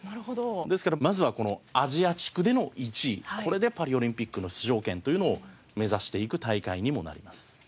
ですからまずはこのアジア地区での１位これでパリオリンピックの出場権というのを目指していく大会にもなります。